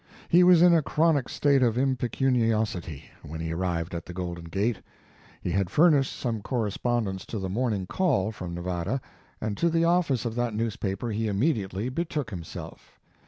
He was in a chronic state of impecuniosity when he arrived at the Golden Gate. He had furnished some correspondence to the Morning Call from Nevada, and to the office of that news paper he immediately betook himself.